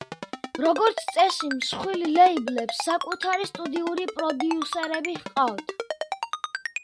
როგორც წესი, მსხვილ ლეიბლებს საკუთარი სტუდიური პროდიუსერები ყავთ.